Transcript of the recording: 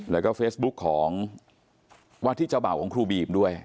แล้วก็เฟซบุ๊กของวาดที่เจ้าบ่าวของครูบีมด้วย